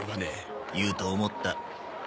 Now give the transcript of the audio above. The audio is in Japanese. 言うと思った。